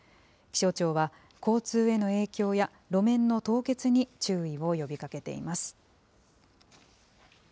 気象庁は、交通への影響や路面の凍結に注意を呼びかけています。